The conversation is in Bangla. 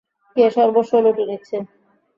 কে সর্বস্ব লুটে নিচ্ছে?